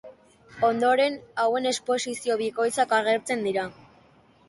Ondoren hauen esposizio bikoitzak agertzen dira.